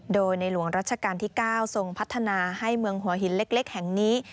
โดยในหลวงรัชกาลที่๙ทรงพัฒนาให้เมืองหัวหินเล็กแห่งนี้